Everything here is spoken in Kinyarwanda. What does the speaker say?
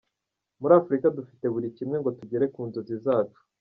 Muri Afurika dufite buri kimwe ngo tugere ku nzozi zacu.